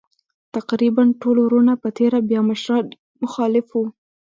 تقریباً ټول وروڼه په تېره بیا مشران یې مخالف وو.